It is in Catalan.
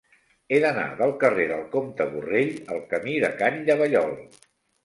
He d'anar del carrer del Comte Borrell al camí de Can Llavallol.